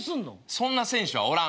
そんな選手はおらん。